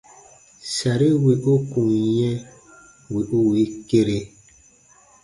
Sari wì u kun yɛ̃ wì u wii kere.